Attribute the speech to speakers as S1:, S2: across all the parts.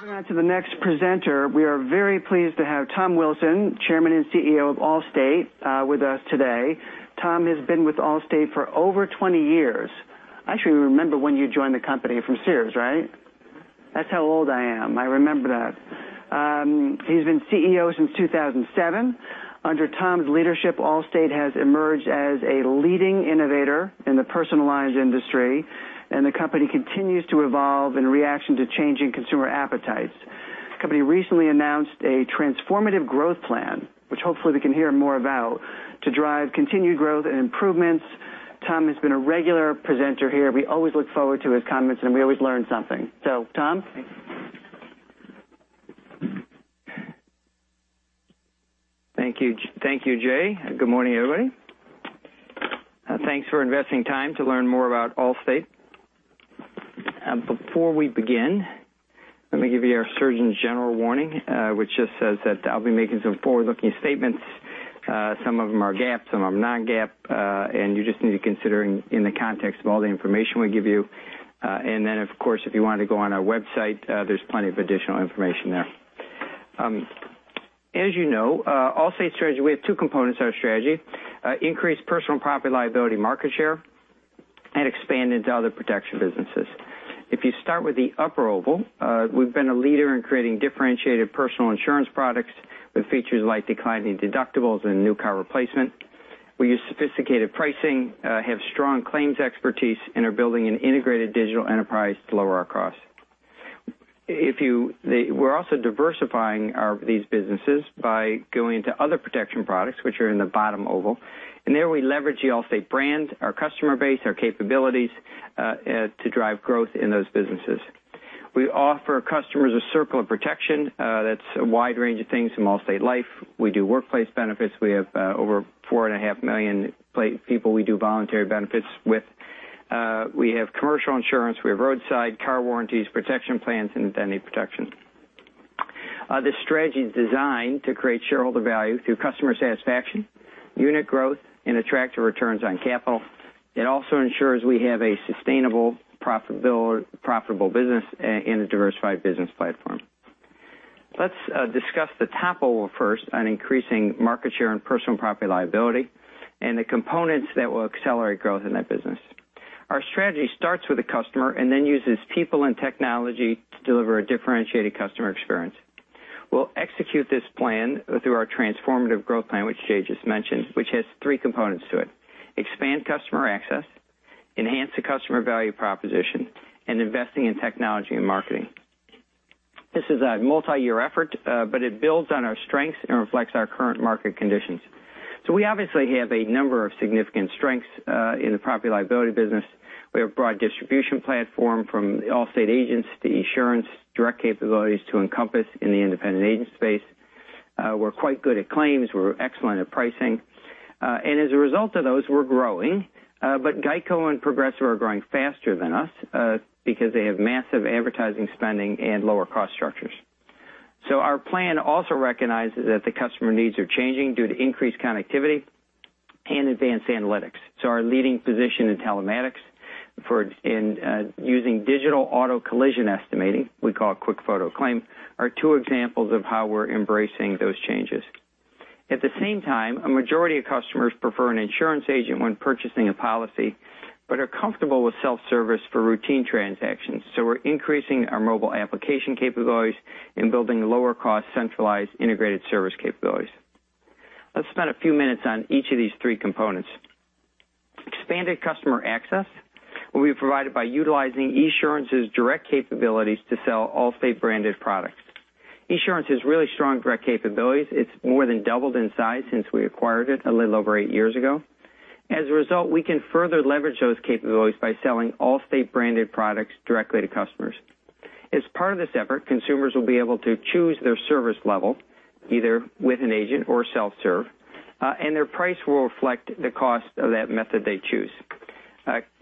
S1: Moving on to the next presenter, we are very pleased to have Tom Wilson, Chairman and CEO of Allstate, with us today. Tom has been with Allstate for over 20 years. I actually remember when you joined the company from Sears, right? That's how old I am. I remember that. He's been CEO since 2007. Under Tom's leadership, Allstate has emerged as a leading innovator in the personalized industry, and the company continues to evolve in reaction to changing consumer appetites. The company recently announced a Transformative Growth plan, which hopefully we can hear more about, to drive continued growth and improvements. Tom has been a regular presenter here. We always look forward to his comments, and we always learn something. Tom?
S2: Thank you, Jay. Good morning, everybody. Thanks for investing time to learn more about Allstate. Before we begin, let me give you our surgeon general warning, which just says that I'll be making some forward-looking statements. Some of them are GAAP, some of them non-GAAP, you just need to consider in the context of all the information we give you. Then, of course, if you wanted to go on our website, there's plenty of additional information there. As you know, Allstate strategy, we have two components of our strategy, increase personal property liability market share, expand into other protection businesses. If you start with the upper oval, we've been a leader in creating differentiated personal insurance products with features like Declining Deductibles and New Car Replacement. We use sophisticated pricing, have strong claims expertise, are building an integrated digital enterprise to lower our costs. We're also diversifying these businesses by going into other protection products, which are in the bottom oval. There we leverage the Allstate brand, our customer base, our capabilities to drive growth in those businesses. We offer customers a circle of protection. That's a wide range of things from Allstate Life. We do workplace benefits. We have over four and a half million people we do voluntary benefits with. We have commercial insurance, we have roadside car warranties, Allstate Protection Plans, and Allstate Identity Protection. This strategy is designed to create shareholder value through customer satisfaction, unit growth, and attractive returns on capital. It also ensures we have a sustainable, profitable business and a diversified business platform. Let's discuss the top oval first on increasing market share and personal property liability and the components that will accelerate growth in that business. Our strategy starts with the customer, then uses people and technology to deliver a differentiated customer experience. We'll execute this plan through our Transformative Growth plan, which Jay just mentioned, which has three components to it: expand customer access, enhance the customer value proposition, investing in technology and marketing. This is a multi-year effort, it builds on our strengths and reflects our current market conditions. We obviously have a number of significant strengths in the property liability business. We have a broad distribution platform from Allstate agents to Esurance direct capabilities to Encompass in the independent agent space. We're quite good at claims. We're excellent at pricing. As a result of those, we're growing. GEICO and Progressive are growing faster than us because they have massive advertising spending and lower cost structures. Our plan also recognizes that the customer needs are changing due to increased connectivity and advanced analytics. Our leading position in telematics in using digital auto collision estimating, we call it QuickFoto Claim, are two examples of how we're embracing those changes. At the same time, a majority of customers prefer an insurance agent when purchasing a policy, but are comfortable with self-service for routine transactions. We're increasing our mobile application capabilities and building lower cost, centralized, integrated service capabilities. Let's spend a few minutes on each of these three components. Expanded customer access will be provided by utilizing Esurance's direct capabilities to sell Allstate-branded products. Esurance has really strong direct capabilities. It's more than doubled in size since we acquired it a little over 8 years ago. As a result, we can further leverage those capabilities by selling Allstate-branded products directly to customers. As part of this effort, consumers will be able to choose their service level, either with an agent or self-serve, and their price will reflect the cost of that method they choose.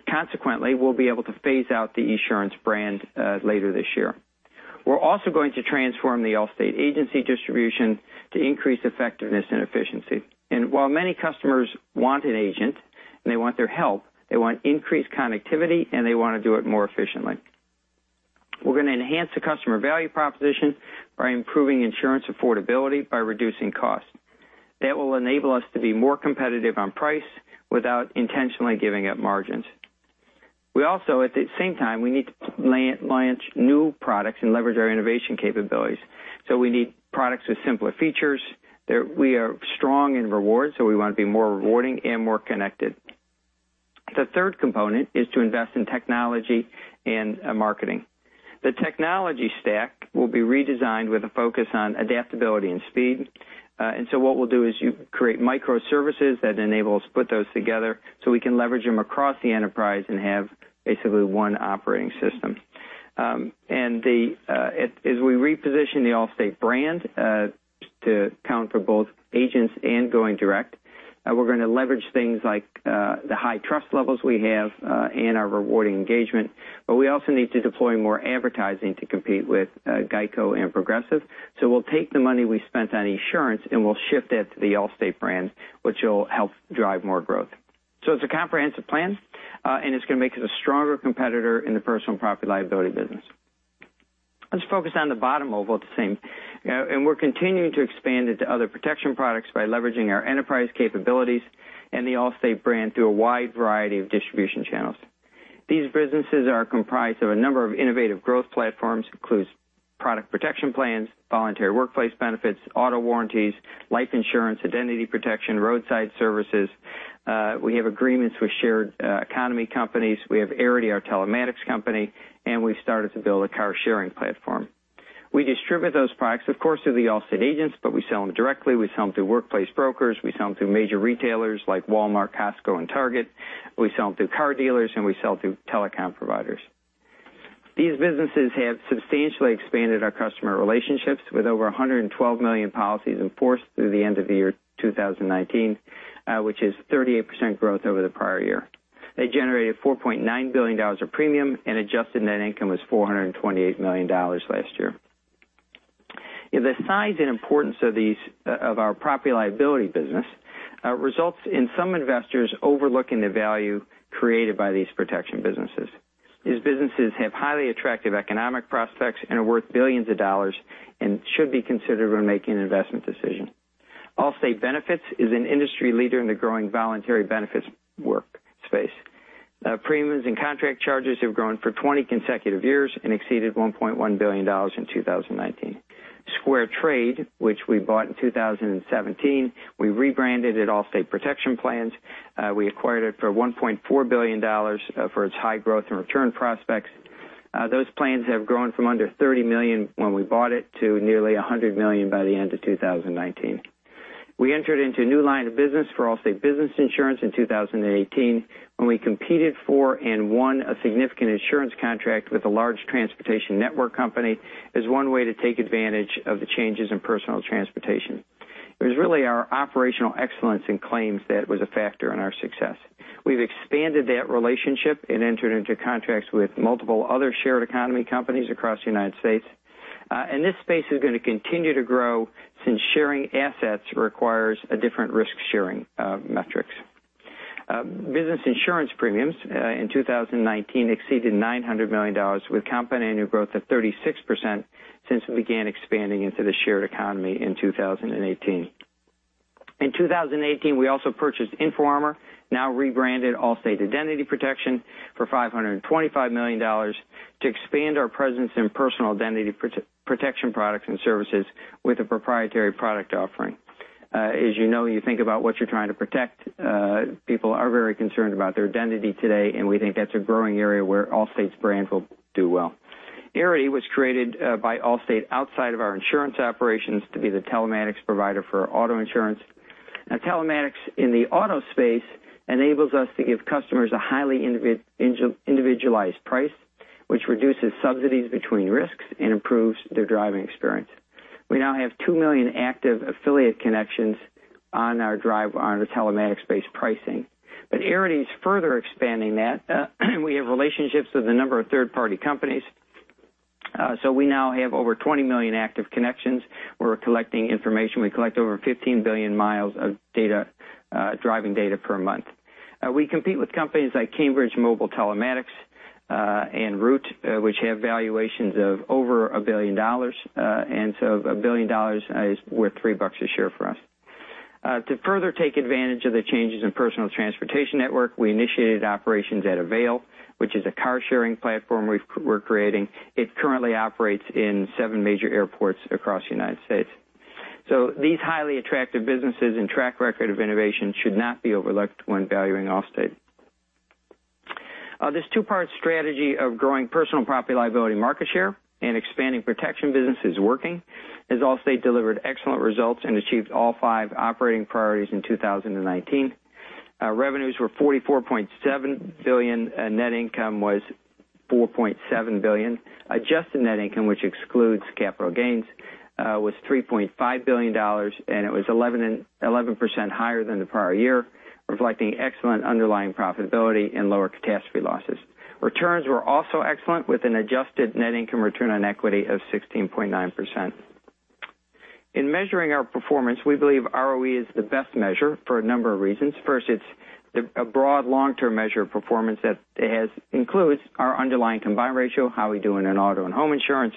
S2: Consequently, we'll be able to phase out the Esurance brand later this year. We're also going to transform the Allstate agency distribution to increase effectiveness and efficiency. While many customers want an agent, and they want their help, they want increased connectivity, and they want to do it more efficiently. We're going to enhance the customer value proposition by improving insurance affordability by reducing costs. That will enable us to be more competitive on price without intentionally giving up margins. At the same time, we need to launch new products and leverage our innovation capabilities. We need products with simpler features. We are strong in rewards, we want to be more rewarding and more connected. The third component is to invest in technology and marketing. The technology stack will be redesigned with a focus on adaptability and speed. What we'll do is you create microservices that enable us to put those together so we can leverage them across the enterprise and have basically one operating system. As we reposition the Allstate brand to account for both agents and going direct, we're going to leverage things like the high trust levels we have and our rewarding engagement, but we also need to deploy more advertising to compete with GEICO and Progressive. We'll take the money we spent on Esurance, and we'll shift that to the Allstate brand, which will help drive more growth. It's a comprehensive plan, and it's going to make us a stronger competitor in the personal property liability business. Let's focus on the bottom oval at the same. We're continuing to expand into other protection products by leveraging our enterprise capabilities and the Allstate brand through a wide variety of distribution channels. These businesses are comprised of a number of innovative growth platforms, includes product protection plans, voluntary workplace benefits, auto warranties, life insurance, identity protection, roadside services. We have agreements with shared economy companies. We have Arity, our telematics company, and we've started to build a car-sharing platform. We distribute those products, of course, through the Allstate agents, but we sell them directly. We sell them through workplace brokers. We sell them through major retailers like Walmart, Costco, and Target. We sell them through car dealers, and we sell through telecom providers. These businesses have substantially expanded our customer relationships with over 112 million policies in force through the end of 2019, which is 38% growth over the prior year. They generated $4.9 billion of premium, and adjusted net income was $428 million last year. The size and importance of our property liability business results in some investors overlooking the value created by these protection businesses. These businesses have highly attractive economic prospects and are worth billions of dollars and should be considered when making an investment decision. Allstate Benefits is an industry leader in the growing voluntary benefits work space. Premiums and contract charges have grown for 20 consecutive years and exceeded $1.1 billion in 2019. SquareTrade, which we bought in 2017, we rebranded it Allstate Protection Plans. We acquired it for $1.4 billion for its high growth and return prospects. Those plans have grown from under 30 million when we bought it to nearly 100 million by the end of 2019. We entered into a new line of business for Allstate Business Insurance in 2018 when we competed for and won a significant insurance contract with a large transportation network company as one way to take advantage of the changes in personal transportation. It was really our operational excellence in claims that was a factor in our success. We've expanded that relationship and entered into contracts with multiple other shared economy companies across the U.S. This space is going to continue to grow since sharing assets requires a different risk-sharing metrics. Business insurance premiums in 2019 exceeded $900 million, with compound annual growth of 36% since we began expanding into the shared economy in 2018. In 2018, we also purchased InfoArmor, now rebranded Allstate Identity Protection, for $525 million to expand our presence in personal identity protection products and services with a proprietary product offering. As you know, you think about what you're trying to protect, people are very concerned about their identity today, and we think that's a growing area where Allstate's brand will do well. Arity was created by Allstate outside of our insurance operations to be the telematics provider for our auto insurance. Telematics in the auto space enables us to give customers a highly individualized price, which reduces subsidies between risks and improves their driving experience. We now have 2 million active affiliate connections on our telematics-based pricing. Arity is further expanding that. We have relationships with a number of third-party companies. We now have over 20 million active connections. We're collecting information. We collect over 15 billion miles of driving data per month. We compete with companies like Cambridge Mobile Telematics and Root, which have valuations of over a billion dollars. A billion dollars is worth $3 a share for us. To further take advantage of the changes in personal transportation network, we initiated operations at Avail, which is a car-sharing platform we're creating. It currently operates in 7 major airports across the U.S. These highly attractive businesses and track record of innovation should not be overlooked when valuing Allstate. This two-part strategy of growing personal property liability market share and expanding protection business is working, as Allstate delivered excellent results and achieved all 5 operating priorities in 2019. Revenues were $44.7 billion, net income was $4.7 billion. Adjusted net income, which excludes capital gains, was $3.5 billion. It was 11% higher than the prior year, reflecting excellent underlying profitability and lower catastrophe losses. Returns were also excellent, with an adjusted net income return on equity of 16.9%. In measuring our performance, we believe ROE is the best measure for a number of reasons. First, it's a broad long-term measure of performance that includes our underlying combined ratio, how we are doing in auto and home insurance.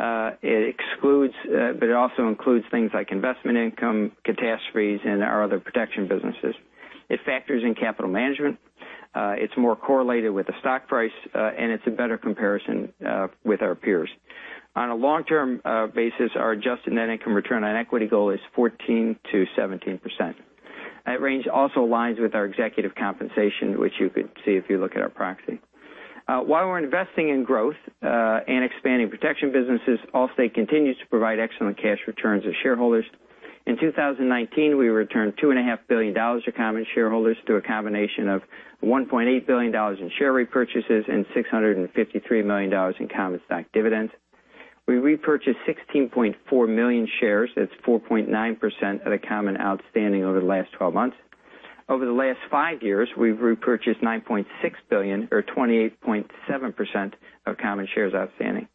S2: It also includes things like investment income, catastrophes, and our other protection businesses. It factors in capital management. It's more correlated with the stock price. It's a better comparison with our peers. On a long-term basis, our adjusted net income return on equity goal is 14%-17%. That range also aligns with our executive compensation, which you could see if you look at our proxy. While we're investing in growth and expanding protection businesses, Allstate continues to provide excellent cash returns to shareholders. In 2019, we returned $2.5 billion to common shareholders through a combination of $1.8 billion in share repurchases and $653 million in common stock dividends. We repurchased 16.4 million shares. That's 4.9% of the common outstanding over the last 12 months. Over the last five years, we've repurchased $9.6 billion or 28.7% of common shares outstanding.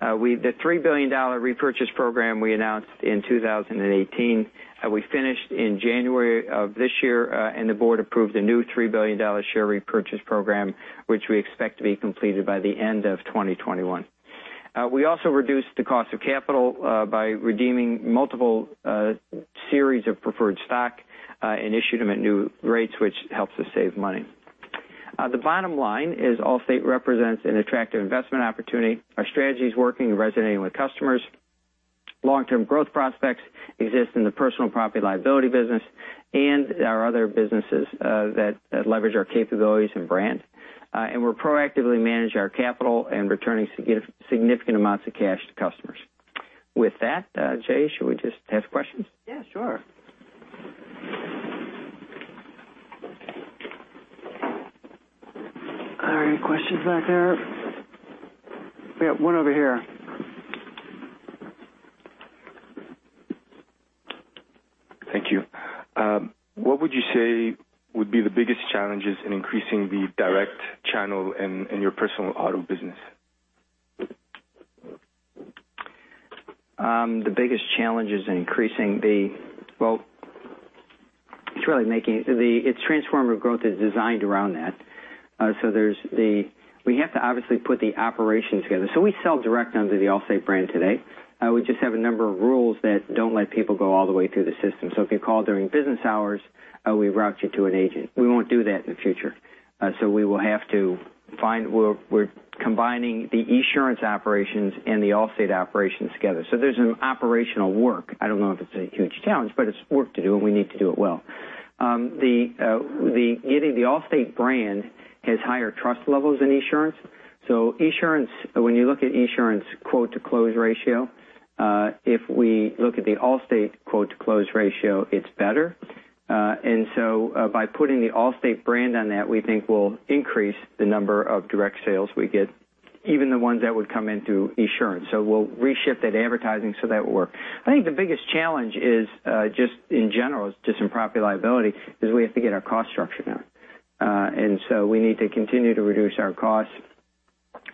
S2: The $3 billion repurchase program we announced in 2018, we finished in January of this year. The board approved a new $3 billion share repurchase program, which we expect to be completed by the end of 2021. We also reduced the cost of capital by redeeming multiple series of preferred stock and issued them at new rates, which helps us save money. The bottom line is Allstate represents an attractive investment opportunity. Our strategy is working and resonating with customers. Long-term growth prospects exist in the personal property liability business and our other businesses that leverage our capabilities and brand. We proactively manage our capital and are returning significant amounts of cash to customers. With that, Jay, should we just have questions?
S1: Yeah, sure. Are there any questions back there? We got one over here.
S3: Thank you. What would you say would be the biggest challenges in increasing the direct channel in your personal auto business?
S2: The biggest challenge is in increasing the. Its Transformative Growth plan is designed around that. We have to obviously put the operations together. We sell direct under the Allstate brand today. We just have a number of rules that don't let people go all the way through the system. If you call during business hours, we route you to an agent. We won't do that in the future. We're combining the Esurance operations and the Allstate operations together. There's an operational work. I don't know if it's a huge challenge, but it's work to do, and we need to do it well. The Allstate brand has higher trust levels than Esurance. When you look at Esurance quote-to-close ratio, if we look at the Allstate quote-to-close ratio, it's better. By putting the Allstate brand on that, we think will increase the number of direct sales we get, even the ones that would come in through Esurance. We'll reshift that advertising so that will work. I think the biggest challenge is, just in general, just in property liability, is we have to get our cost structure down. We need to continue to reduce our costs.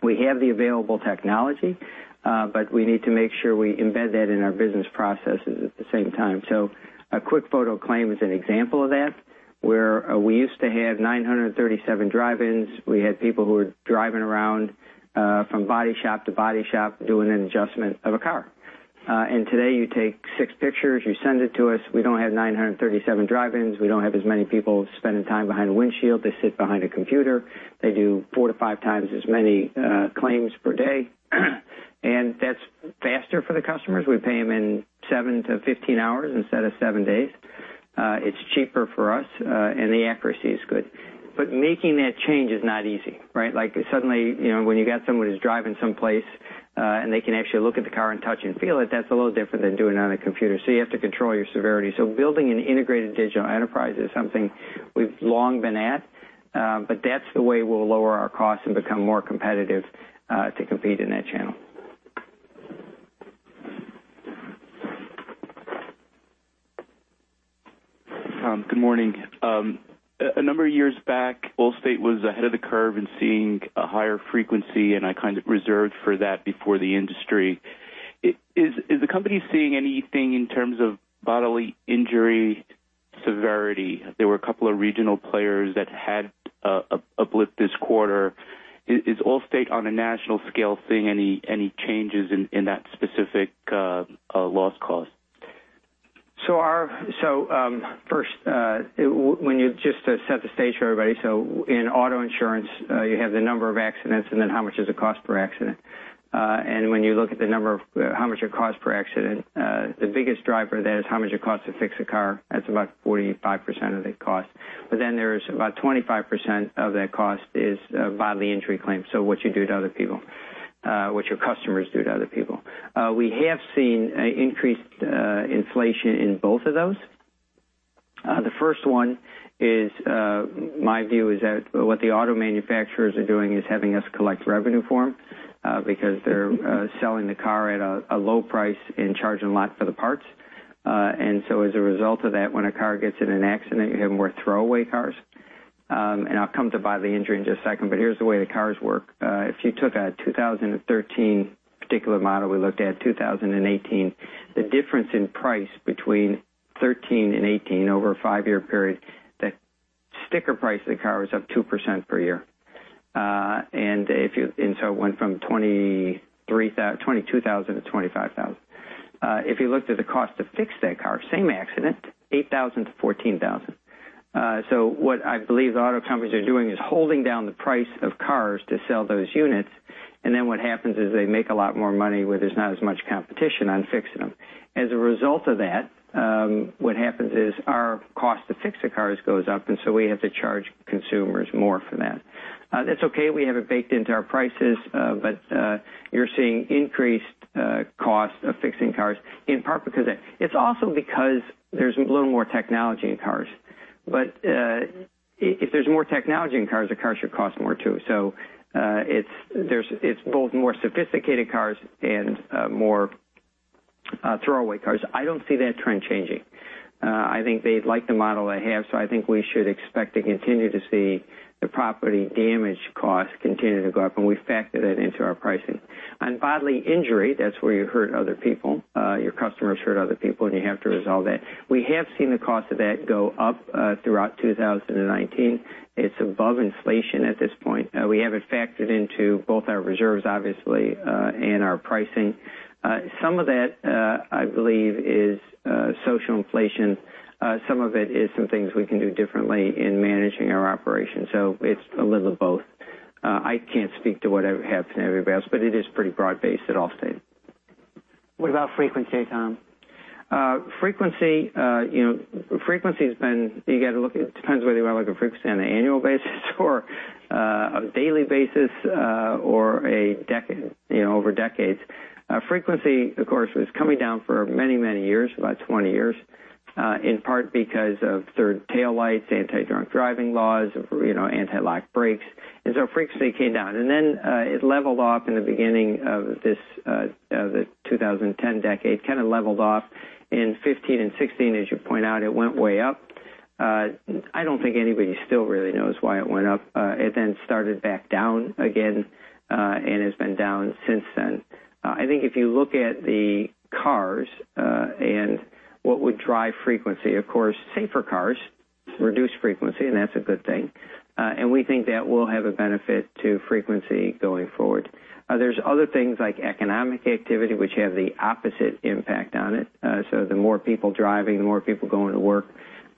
S2: We have the available technology, but we need to make sure we embed that in our business processes at the same time. A QuickFoto Claim is an example of that, where we used to have 937 drive-ins. We had people who were driving around from body shop to body shop doing an adjustment of a car. Today you take six pictures, you send it to us. We don't have 937 drive-ins. We don't have as many people spending time behind a windshield. They sit behind a computer. They do four to five times as many claims per day, and that's faster for the customers. We pay them in seven to 15 hours instead of seven days. It's cheaper for us, and the accuracy is good. Making that change is not easy, right? Suddenly, when you got someone who's driving someplace, and they can actually look at the car and touch and feel it, that's a little different than doing it on a computer. You have to control your severity. Building an integrated digital enterprise is something we've long been at. That's the way we'll lower our costs and become more competitive to compete in that channel.
S4: Tom, good morning. A number of years back, Allstate was ahead of the curve in seeing a higher frequency, and kind of reserved for that before the industry. Is the company seeing anything in terms of bodily injury severity? There were a couple of regional players that had uplift this quarter. Is Allstate, on a national scale, seeing any changes in that specific loss cost?
S2: First, just to set the stage for everybody, in auto insurance, you have the number of accidents and then how much does it cost per accident. When you look at how much it costs per accident, the biggest driver of that is how much it costs to fix a car. That's about 45% of the cost. About 25% of that cost is bodily injury claims, so what you do to other people, what your customers do to other people. We have seen increased inflation in both of those. The first one is, my view is that what the auto manufacturers are doing is having us collect revenue for them because they're selling the car at a low price and charging a lot for the parts. As a result of that, when a car gets in an accident, you're having more throwaway cars. I'll come to bodily injury in just a second, but here's the way the cars work. If you took a 2013 particular model we looked at, 2018, the difference in price between 2013 and 2018, over a five-year period, the sticker price of the car was up 2% per year. It went from $22,000-$25,000. If you looked at the cost to fix that car, same accident, $8,000-$14,000. What I believe the auto companies are doing is holding down the price of cars to sell those units, what happens is they make a lot more money where there's not as much competition on fixing them. As a result of that, what happens is our cost to fix the cars goes up, we have to charge consumers more for that. That's okay. We have it baked into our prices, you're seeing increased cost of fixing cars in part because of that. It's also because there's a little more technology in cars. If there's more technology in cars, the car should cost more, too. It's both more sophisticated cars and more Throwaway cars. I don't see that trend changing. I think they like the model they have, I think we should expect to continue to see the property damage cost continue to go up, and we factored that into our pricing. On bodily injury, that's where you hurt other people, your customers hurt other people, and you have to resolve that. We have seen the cost of that go up throughout 2019. It's above inflation at this point. We have it factored into both our reserves, obviously, and our pricing. Some of that, I believe, is social inflation. Some of it is some things we can do differently in managing our operation. It's a little of both. I can't speak to what happens to everybody else, but it is pretty broad-based at Allstate.
S1: What about frequency, Tom?
S2: It depends whether you want to look at frequency on an annual basis or a daily basis, or over decades. Frequency, of course, was coming down for many years, about 20 years, in part because of third tail lights, anti-drunk driving laws, anti-lock brakes. Frequency came down. Then it leveled off in the beginning of the 2010 decade. In 2015 and 2016, as you point out, it went way up. I don't think anybody still really knows why it went up. It started back down again, and has been down since then. I think if you look at the cars, and what would drive frequency, of course, safer cars reduce frequency, and that's a good thing. We think that will have a benefit to frequency going forward. There's other things like economic activity, which have the opposite impact on it. The more people driving, the more people going to work,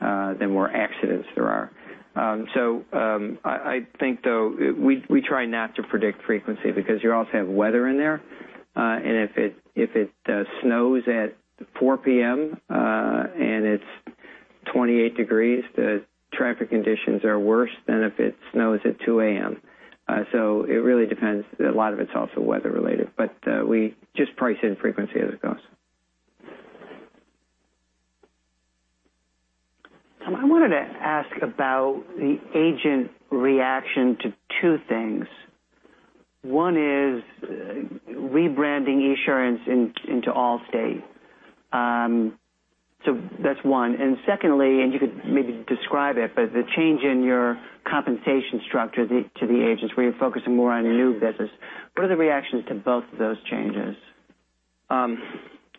S2: the more accidents there are. I think, though, we try not to predict frequency because you also have weather in there. If it snows at 4:00 P.M., and it's 28 degrees, the traffic conditions are worse than if it snows at 2:00 A.M. It really depends. A lot of it's also weather related. We just price in frequency as it goes.
S1: Tom, I wanted to ask about the agent reaction to two things. One is rebranding Esurance into Allstate. That's one. Secondly, and you could maybe describe it, but the change in your compensation structure to the agents, where you're focusing more on your new business. What are the reactions to both of those changes?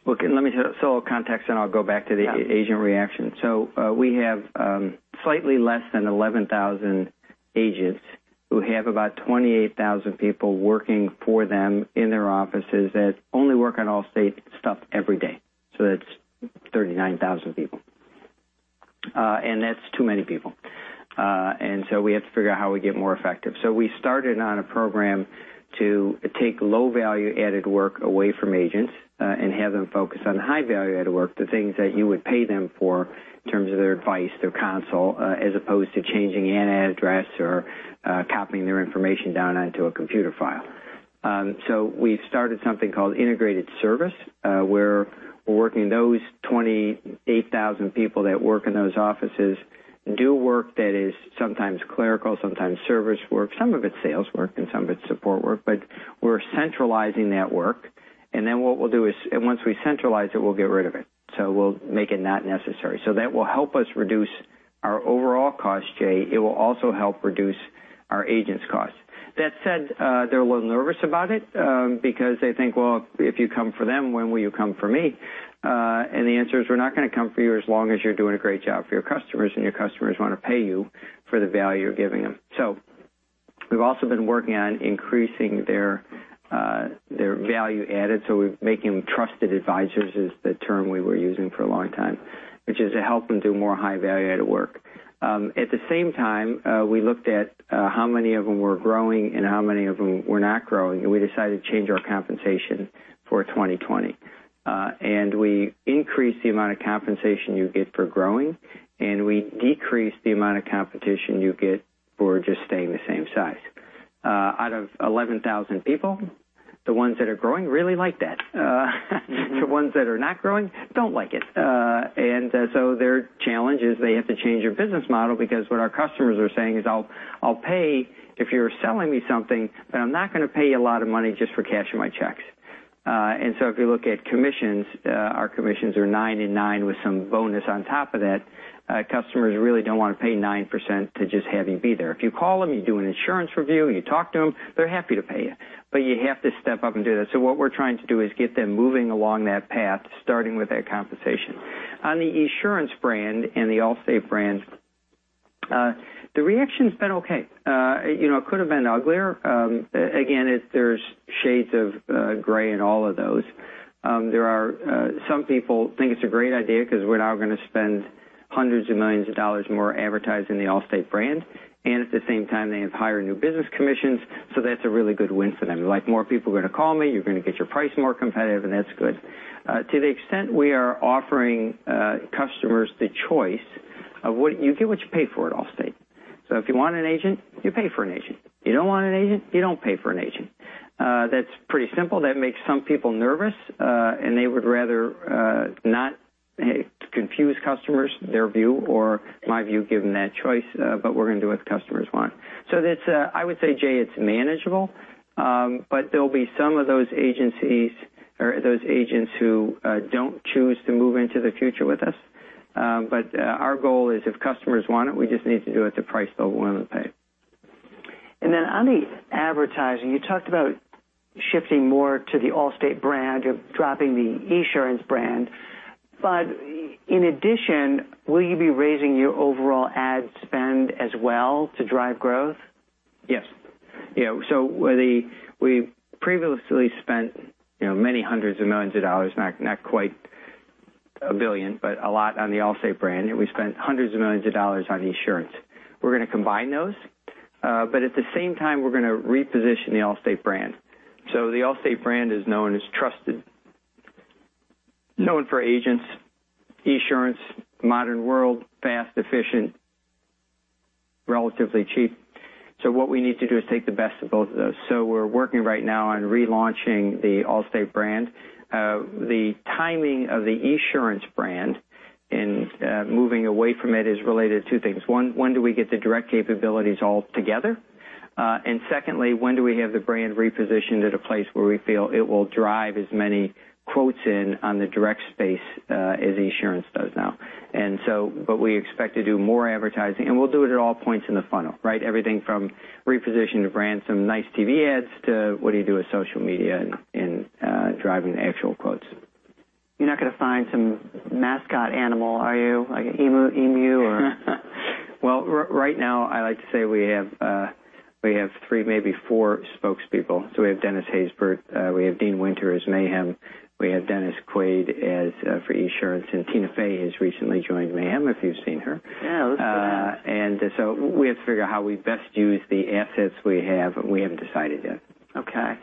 S2: Look, let me set a little context, then I'll go back to the agent reaction. We have slightly less than 11,000 agents who have about 28,000 people working for them in their offices that only work on Allstate stuff every day. That's 39,000 people. That's too many people. We have to figure out how we get more effective. We started on a program to take low-value-added work away from agents, and have them focus on high-value-added work, the things that you would pay them for in terms of their advice, their counsel, as opposed to changing an address or copying their information down onto a computer file. We started something called Integrated Service, where we're working those 28,000 people that work in those offices do work that is sometimes clerical, sometimes service work, some of it's sales work, and some of it's support work, but we're centralizing that work. Then what we'll do is, and once we centralize it, we'll get rid of it. We'll make it not necessary. That will help us reduce our overall cost, Jay. It will also help reduce our agents' costs. That said, they're a little nervous about it, because they think, well, if you come for them, when will you come for me? The answer is, we're not going to come for you as long as you're doing a great job for your customers, and your customers want to pay you for the value you're giving them. We've also been working on increasing their value added, so we're making trusted advisors, is the term we were using for a long time, which is to help them do more high-value-added work. At the same time, we looked at how many of them were growing and how many of them were not growing, and we decided to change our compensation for 2020. We increased the amount of compensation you get for growing, and we decreased the amount of compensation you get for just staying the same size. Out of 11,000 people, the ones that are growing really like that. The ones that are not growing don't like it. Their challenge is they have to change their business model because what our customers are saying is, "I'll pay if you're selling me something, but I'm not going to pay you a lot of money just for cashing my checks." If you look at commissions, our commissions are nine and nine with some bonus on top of that. Customers really don't want to pay 9% to just have you be there. If you call them, you do an insurance review, you talk to them, they're happy to pay you. You have to step up and do that. What we're trying to do is get them moving along that path, starting with that compensation. On the Esurance brand and the Allstate brand, the reaction's been okay. It could have been uglier. Again, there's shades of gray in all of those. Some people think it's a great idea because we're now going to spend hundreds of millions of dollars more advertising the Allstate brand, and at the same time, they have higher new business commissions, that's a really good win for them. More people are going to call me, you're going to get your price more competitive, and that's good. To the extent we are offering customers the choice of what. You get what you pay for at Allstate. If you want an agent, you pay for an agent. You don't want an agent, you don't pay for an agent. That's pretty simple. That makes some people nervous, and they would rather not To confuse customers, their view or my view, given that choice, we're going to do what the customers want. I would say, Jay, it's manageable. There'll be some of those agencies or those agents who don't choose to move into the future with us. Our goal is if customers want it, we just need to do it at the price they're willing to pay.
S1: On the advertising, you talked about shifting more to the Allstate brand, you're dropping the Esurance brand. In addition, will you be raising your overall ad spend as well to drive growth?
S2: Yes. We previously spent many hundreds of millions of dollars, not quite $1 billion, but a lot on the Allstate brand. We spent hundreds of millions of dollars on Esurance. We're going to combine those. At the same time, we're going to reposition the Allstate brand. The Allstate brand is known as trusted, known for agents, Esurance, modern world, fast, efficient, relatively cheap. What we need to do is take the best of both of those. We're working right now on relaunching the Allstate brand. The timing of the Esurance brand and moving away from it is related to two things. One, when do we get the direct capabilities all together? Secondly, when do we have the brand repositioned at a place where we feel it will drive as many quotes in on the direct space as Esurance does now. We expect to do more advertising, and we'll do it at all points in the funnel. Everything from reposition the brand, some nice TV ads, to what do you do with social media in driving the actual quotes.
S1: You're not going to find some mascot animal, are you? Like an emu or
S2: Well, right now, I like to say we have three, maybe four spokespeople. We have Dennis Haysbert, we have Dean Winters, Mayhem, we have Dennis Quaid for Esurance, and Tina Fey has recently joined Mayhem, if you've seen her.
S1: Yeah, I looked it up.
S2: We have to figure out how we best use the assets we have. We haven't decided yet.
S1: Okay.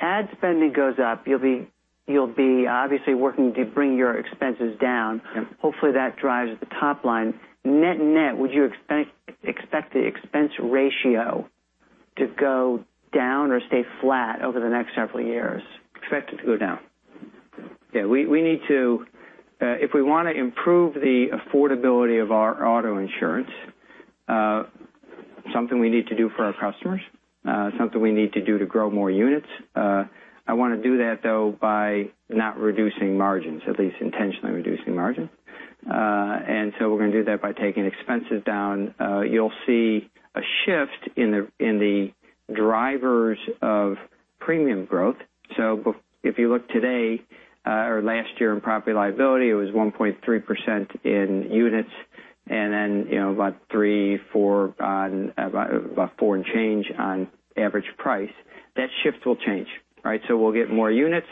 S1: Ad spending goes up. You'll be obviously working to bring your expenses down.
S2: Yep.
S1: Hopefully, that drives the top line. Net-net, would you expect the expense ratio to go down or stay flat over the next several years?
S2: Expect it to go down. If we want to improve the affordability of our auto insurance, something we need to do for our customers, something we need to do to grow more units. I want to do that, though, by not reducing margins, at least intentionally reducing margins. We're going to do that by taking expenses down. You'll see a shift in the drivers of premium growth. If you look today or last year in property liability, it was 1.3% in units and then about three, four and change on average price. That shift will change. We'll get more units,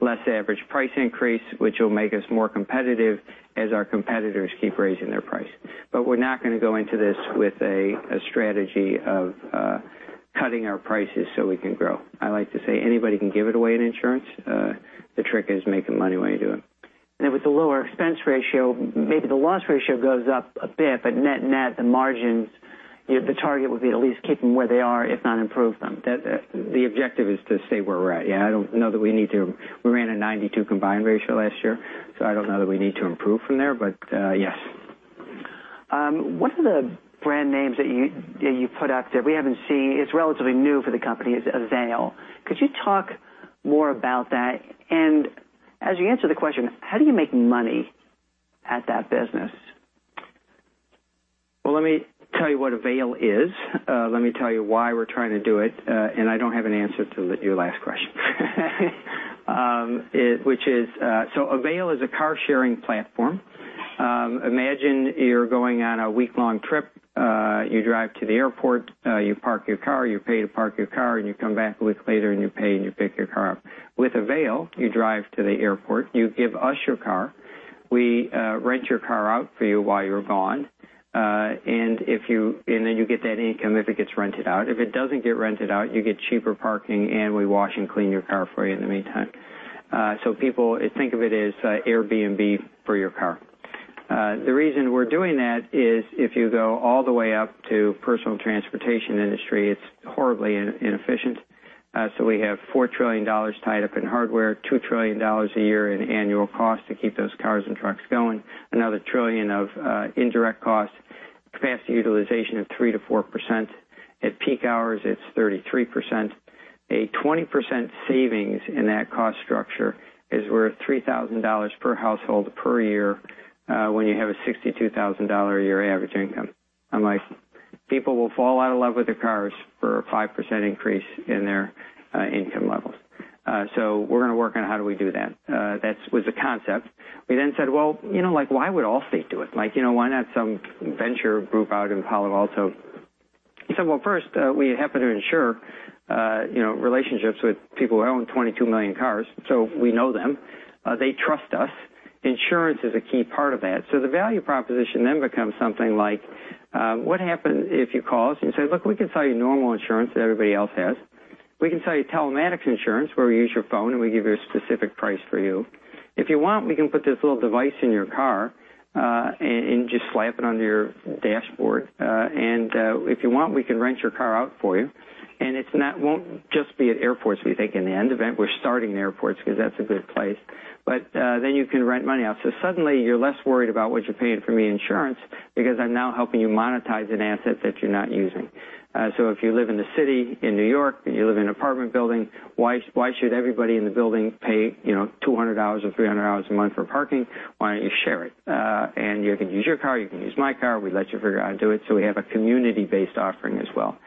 S2: less average price increase, which will make us more competitive as our competitors keep raising their price. We're not going to go into this with a strategy of cutting our prices so we can grow. I like to say anybody can give it away in insurance. The trick is making money while you do it.
S1: With the lower expense ratio, maybe the loss ratio goes up a bit, net-net the margins, the target would be at least keep them where they are, if not improve them.
S2: The objective is to stay where we're at, yeah. We ran a 92 combined ratio last year, I don't know that we need to improve from there, yes.
S1: One of the brand names that you put out that we haven't seen, it's relatively new for the company, is Avail. Could you talk more about that? As you answer the question, how do you make money at that business?
S2: Well, let me tell you what Avail is. Let me tell you why we're trying to do it. I don't have an answer to your last question. Avail is a car-sharing platform. Imagine you're going on a week-long trip. You drive to the airport, you park your car, you pay to park your car, and you come back a week later and you pay, and you pick your car up. With Avail, you drive to the airport, you give us your car, we rent your car out for you while you're gone, and then you get that income if it gets rented out. If it doesn't get rented out, you get cheaper parking, and we wash and clean your car for you in the meantime. People think of it as Airbnb for your car. The reason we're doing that is if you go all the way up to personal transportation industry, it's horribly inefficient. We have $4 trillion tied up in hardware, $2 trillion a year in annual cost to keep those cars and trucks going, another $1 trillion of indirect costs, capacity utilization of 3%-4%. At peak hours, it's 33%. A 20% savings in that cost structure is worth $3,000 per household per year when you have a $62,000 a year average income. I'm like, people will fall out of love with their cars for a 5% increase in their income levels. We're going to work on how do we do that. That was the concept. We said, "Well, why would Allstate do it? Why not some venture group out in Palo Alto?" We said, well, first, we happen to insure relationships with people who own 22 million cars. We know them. They trust us. Insurance is a key part of that. The value proposition then becomes something like, what happens if you call us and you say, "Look, we can sell you normal insurance that everybody else has." We can sell you telematics insurance, where we use your phone and we give you a specific price for you. If you want, we can put this little device in your car, and just slap it onto your dashboard. If you want, we can rent your car out for you. It won't just be at airports, we think in the end event. We're starting in airports because that's a good place. You can rent money out. Suddenly you're less worried about what you're paying for me insurance because I'm now helping you monetize an asset that you're not using. If you live in the city, in N.Y., and you live in an apartment building, why should everybody in the building pay $200 or $300 a month for parking? Why don't you share it? You can use your car, you can use my car. We let you figure out how to do it, we have a community-based offering as well.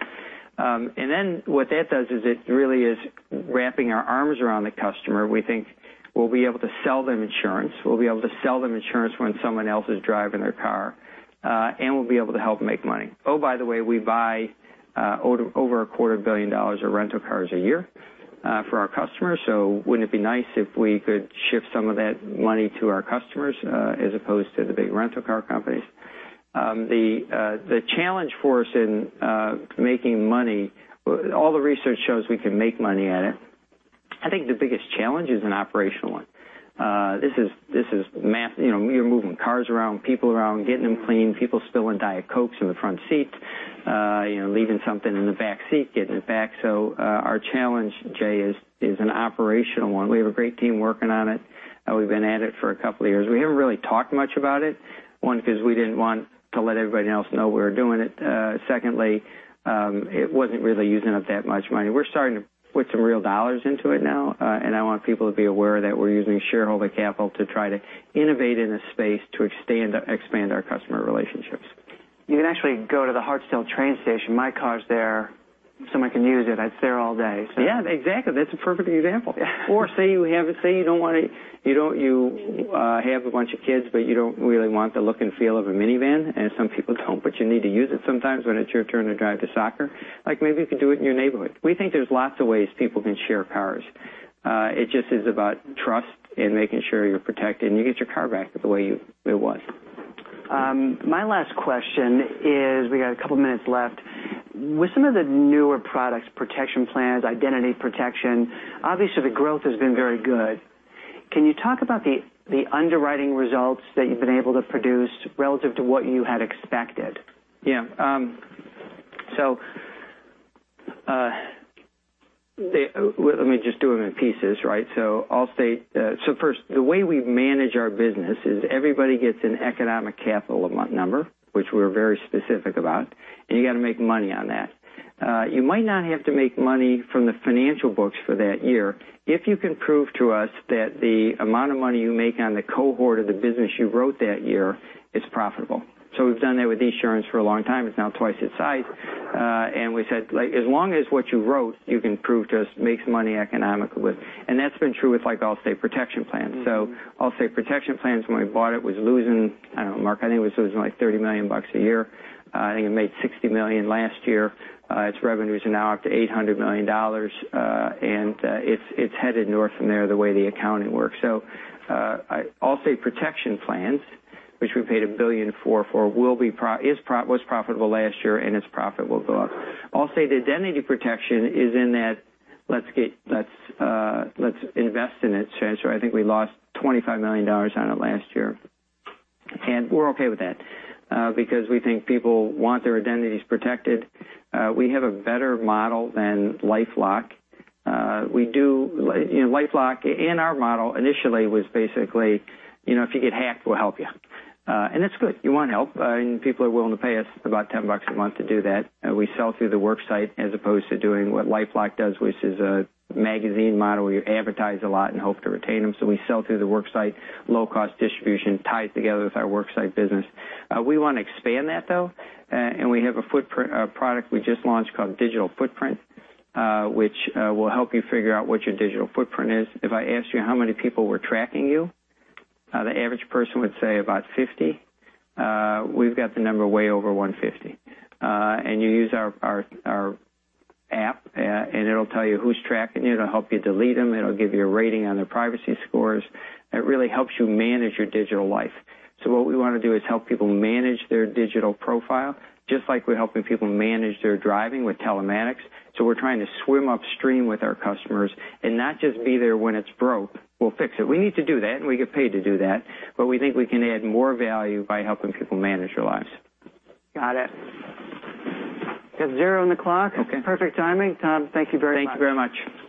S2: What that does is it really is wrapping our arms around the customer. We think we'll be able to sell them insurance. We'll be able to sell them insurance when someone else is driving their car, and we'll be able to help make money. By the way, we buy over a quarter billion dollars of rental cars a year for our customers, wouldn't it be nice if we could shift some of that money to our customers, as opposed to the big rental car companies? The challenge for us in making money, all the research shows we can make money at it. I think the biggest challenge is an operational one. You're moving cars around, people around, getting them clean. People spilling Diet Cokes in the front seats. Leaving something in the back seat, getting it back. Our challenge, Jay, is an operational one. We have a great team working on it. We've been at it for a couple of years. We haven't really talked much about it. One, because we didn't want to let everybody else know we were doing it. Secondly, it wasn't really using up that much money. We're starting to put some real dollars into it now, I want people to be aware that we're using shareholder capital to try to innovate in this space to expand our customer relationships.
S1: You can actually go to the Hartsdale train station. My car's there. Someone can use it. It's there all day.
S2: Yeah, exactly. That's a perfect example. Say you have a bunch of kids, but you don't really want the look and feel of a minivan, and some people don't, but you need to use it sometimes when it's your turn to drive to soccer. Like maybe you could do it in your neighborhood. We think there's lots of ways people can share cars. It just is about trust and making sure you're protected, and you get your car back the way it was.
S1: My last question is, we got a couple of minutes left. With some of the newer products, Allstate Protection Plans, Allstate Identity Protection, obviously the growth has been very good. Can you talk about the underwriting results that you've been able to produce relative to what you had expected?
S2: Yeah. Let me just do them in pieces, right? First, the way we manage our business is everybody gets an economic capital a month number, which we're very specific about, and you got to make money on that. You might not have to make money from the financial books for that year if you can prove to us that the amount of money you make on the cohort of the business you wrote that year is profitable. We've done that with Esurance for a long time. It's now twice its size. We said, as long as what you wrote, you can prove to us makes money economically. That's been true with Allstate Protection Plans. Allstate Protection Plans, when we bought it, was losing, I don't know, Mark, I think it was losing like $30 million a year. I think it made $60 million last year. Its revenues are now up to $800 million. It's headed north from there the way the accounting works. Allstate Protection Plans, which we paid $1 billion for, was profitable last year and its profit will go up. Allstate Identity Protection is in that let's invest in it stance. I think we lost $25 million on it last year, and we're okay with that because we think people want their identities protected. We have a better model than LifeLock. LifeLock and our model initially was basically, if you get hacked, we'll help you. It's good. You want help, and people are willing to pay us about $10 a month to do that. We sell through the work site as opposed to doing what LifeLock does, which is a magazine model where you advertise a lot and hope to retain them. We sell through the work site, low cost distribution tied together with our work site business. We want to expand that though, and we have a product we just launched called Digital Footprint, which will help you figure out what your digital footprint is. If I asked you how many people were tracking you, the average person would say about 50. We've got the number way over 150. You use our app, and it'll tell you who's tracking you. It'll help you delete them. It'll give you a rating on their privacy scores. It really helps you manage your digital life. What we want to do is help people manage their digital profile, just like we're helping people manage their driving with telematics. We're trying to swim upstream with our customers and not just be there when it's broke. We'll fix it. We need to do that, and we get paid to do that, but we think we can add more value by helping people manage their lives.
S1: Got it. Got zero on the clock.
S2: Okay.
S1: Perfect timing, Tom. Thank you very much.
S2: Thank you very much.